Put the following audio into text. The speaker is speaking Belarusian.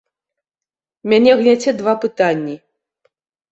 Мяне гняце два пытанні.